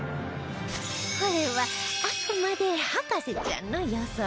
これはあくまで博士ちゃんの予想